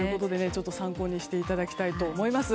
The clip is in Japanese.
参考にしていただきたいと思います。